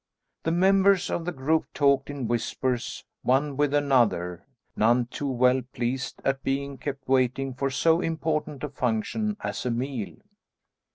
The members of the group talked in whispers, one with another, none too well pleased at being kept waiting for so important a function as a meal.